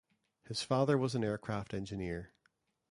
His father was an aircraft engineer.